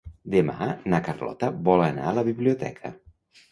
Demà na Carlota vol anar a la biblioteca.